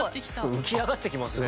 浮き上がってきますね。